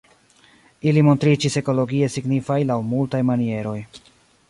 Ili montriĝis ekologie signifaj laŭ multaj manieroj.